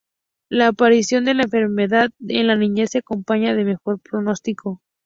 La aparición de la enfermedad en la niñez se acompaña de mejor pronóstico.